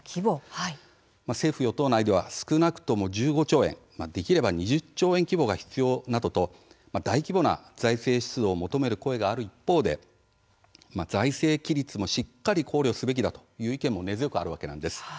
政府与党内では少なくとも１５兆円できれば２０兆円規模が必要などと大規模な財政出動を求める声がある一方で財政規律もしっかり考慮すべきだという意見も根強くあるわけなんです。